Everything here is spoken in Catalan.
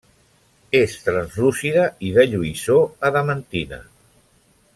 És translúcida i de lluïssor adamantina.